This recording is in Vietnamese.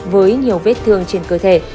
với nhiều vết thương trên cơ thể